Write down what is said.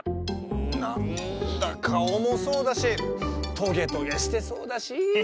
なんだかおもそうだしトゲトゲしてそうだし。